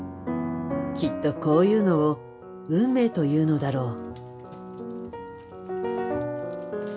きっとこういうのを運命というのだろう。